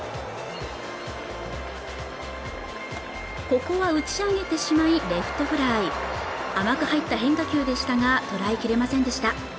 ここは打ち上げてしまいレフトフライ甘く入った変化球でしたがとらえきれませんでした